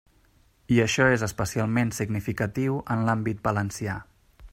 I això és especialment significatiu en l'àmbit valencià.